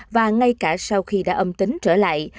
và ngay cả sau khi đã âm tính trở lại